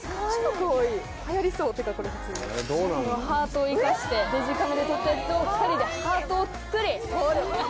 ハートを生かしてデジカメで撮ったやつを２人でハートを作り撮る。